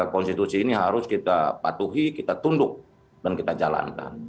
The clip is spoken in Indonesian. konstitusi ini harus kita patuhi kita tunduk dan kita jalankan